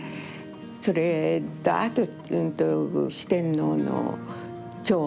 それとあと四天王の張栩さん。